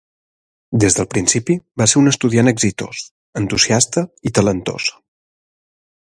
Des del principi va ser un estudiant exitós, entusiasta i talentós.